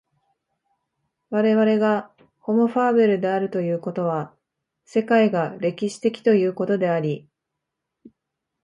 我々がホモ・ファーベルであるということは、世界が歴史的ということであり、